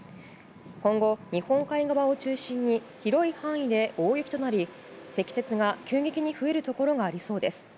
今後、日本海側を中心に広い範囲で大雪となり積雪が急激に増えるところがありそうです。